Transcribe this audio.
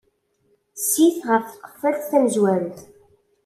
Sit ɣef tqeffalt tamezwarut.